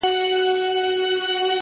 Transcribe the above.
پوهه د نسلونو لپاره ارزښتمن میراث دی!